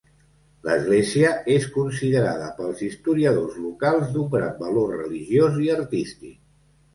L'església és considerada pels historiadors locals d'un gran valor religiós i artístic.